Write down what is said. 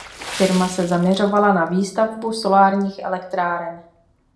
Firma se zaměřovala na výstavbu solárních elektráren.